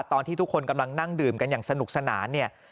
ตอนที่ทุกคนกำลังนั่งดื่มกันอย่างสนุกสนานเนี่ย